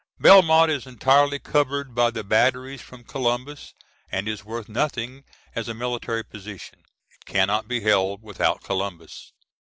Belmont is entirely covered by the batteries from Columbus and is worth nothing as a military position. It cannot be held without Columbus.